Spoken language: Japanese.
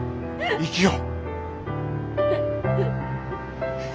生きよう。